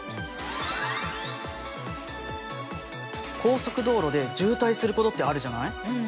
高速道路で渋滞することってあるじゃない？